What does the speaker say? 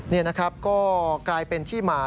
นี่นะครับก็กลายเป็นที่มา